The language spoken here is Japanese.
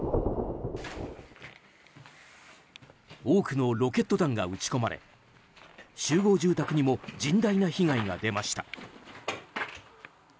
多くのロケット弾が撃ち込まれ集合住宅にも甚大な被害が出ました。